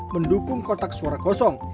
mendukung kotak suara kosong